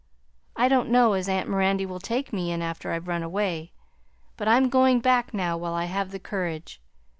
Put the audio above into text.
I don't know as aunt Mirandy will take me in after I've run away, but I'm going back now while I have the courage.